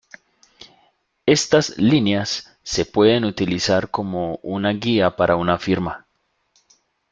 Estas líneas se puede utilizar como una guía para una firma.